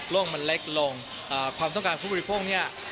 มันเล็กลงความต้องการผู้บริโภคเนี่ย